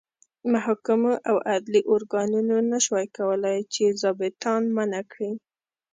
محاکمو او عدلي ارګانونو نه شوای کولای چې ظابیطان منع کړي.